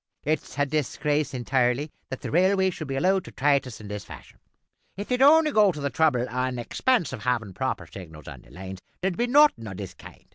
"It's a disgrace intirely that the railways should be allowed to trait us in this fashion. If they'd only go to the trouble an' expense of havin' proper signals on lines, there would be nothing o' this kind.